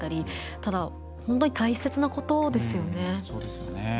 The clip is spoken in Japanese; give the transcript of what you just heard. ただ本当に大切なことですよね。